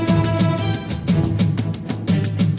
โอเค